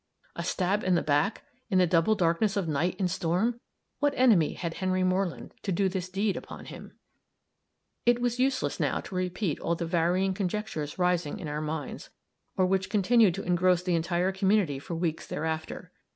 A stab in the back, in the double darkness of night and storm! What enemy had Henry Moreland, to do this deed upon him? It is useless now to repeat all the varying conjectures rising in our minds, or which continued to engross the entire community for weeks thereafter.